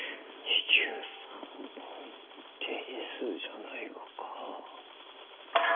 ２３本定数じゃないがか。